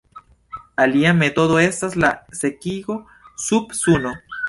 Alia metodo estas la sekigo sub Suno.